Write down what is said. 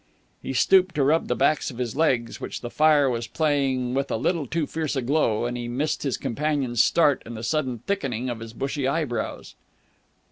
He stooped to rub the backs of his legs, on which the fire was playing with a little too fierce a glow, and missed his companion's start and the sudden thickening of his bushy eyebrows.